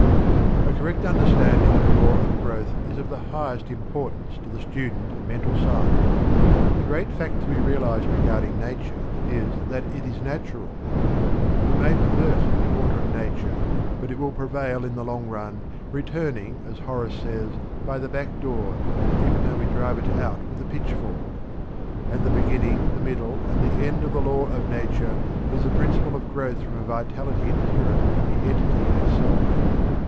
A CORRECT understanding of the law of growth is of the highest importance to the student of Mental Science. The great fact to be realized regarding Nature is that it is natural. We may pervert the order of Nature, but it will prevail in the long run, returning, as Horace says, by the back door even though we drive it out with a pitchfork; and the beginning, the middle, and the end of the law of Nature is the principle of growth from a vitality inherent in the entity itself.